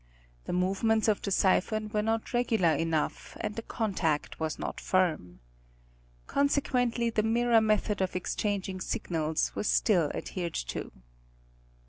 The movements of the siphon were not regular enough, and the contact was not firm. Consequently the mirror method of exchanging signals was still adhered to.